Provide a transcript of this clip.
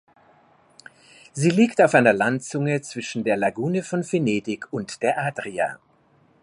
Sie liegt auf einer Landzunge zwischen der Lagune von Venedig und der Adria.